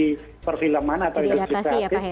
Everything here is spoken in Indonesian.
jadi adaptasi ya pak heri